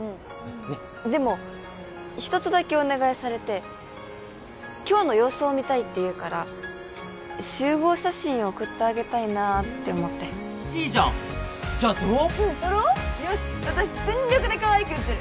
でも一つだけお願いされて今日の様子を見たいって言うから集合写真を送ってあげたいなあって思っていいじゃんじゃあ撮ろううん撮ろうよし私全力でかわいく写る！